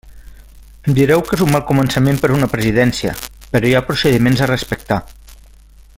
Em direu que és un mal començament per una presidència, però hi ha procediments a respectar.